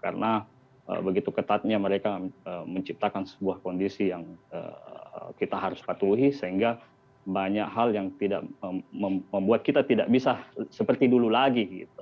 karena begitu ketatnya mereka menciptakan sebuah kondisi yang kita harus patuhi sehingga banyak hal yang tidak membuat kita tidak bisa seperti dulu lagi gitu